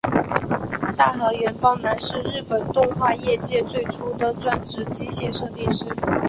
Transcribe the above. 大河原邦男是日本动画业界最初的专职机械设定师。